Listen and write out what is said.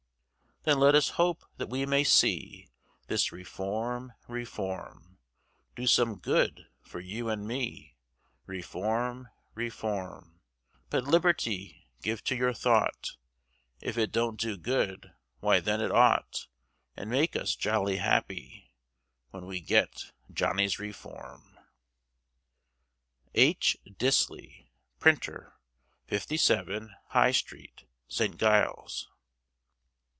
Then let us hope that we may see This Reform, Reform, Do some good for you and me, Reform, Reform; But liberty give to your thought, If it don't do good, why then it ought, And make us jolly happy, When we get Johnny's Reform. H. Disley, Printer, 57, High Street, St. Giles.